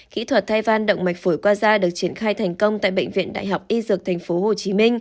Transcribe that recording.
kỹ thuật thai van động mạch phổi qua da được triển khai thành công tại bệnh viện đại học y dược tp hcm